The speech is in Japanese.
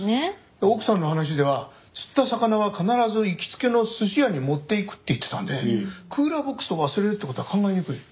奥さんの話では釣った魚は必ず行きつけの寿司屋に持っていくって言ってたのでクーラーボックスを忘れるって事は考えにくい。